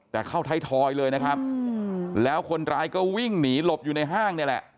แต่เข้าไทยทอยเลยนะครับแล้วคนร้ายก็วิ่งหนีหลบอยู่ในห้างนี่แหละ